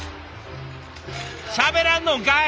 しゃべらんのんかい！